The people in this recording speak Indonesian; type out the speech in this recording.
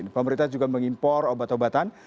pemerintah juga mengimpor obat obatan